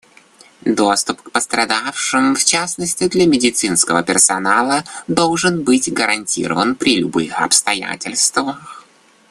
Доступ к пострадавшим, в частности для медицинского персонала, должен быть гарантирован при любых обстоятельствах.